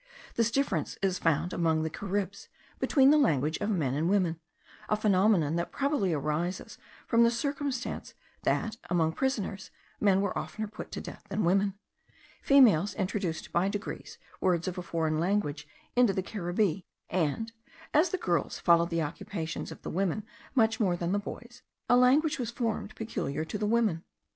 This difference is found among the Caribs between the language of men and women; a phenomenon that probably arises from the circumstance that, among prisoners, men were oftener put to death than women. Females introduced by degrees words of a foreign language into the Caribbee; and, as the girls followed the occupations of the women much more than the boys, a language was formed peculiar to the women.